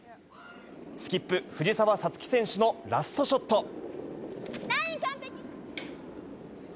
スキップ、藤澤五月選手のラストショット。